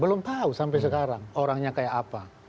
belum tahu sampai sekarang orangnya kayak apa